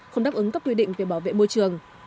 không đáp ứng các quy định về bảo vệ môi trường